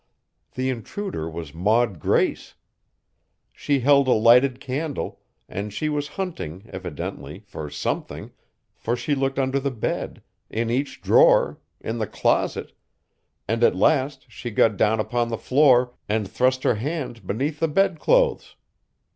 The intruder was Maud Grace. She held a lighted candle, and she was hunting, evidently, for something, for she looked under the bed, in each drawer, in the closet; and at last she got down upon the floor and thrust her hand beneath the bedclothes!